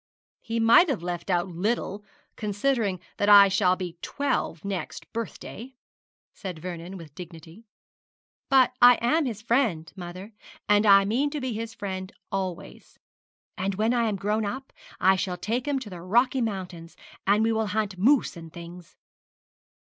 'He might have left out "little," considering that I shall be twelve next birthday,' said Vernon, with dignity. 'But I am his friend, mother; and I mean to be his friend always. And when I am grown up I shall take him to the Rocky Mountains, and we will hunt moose and things.'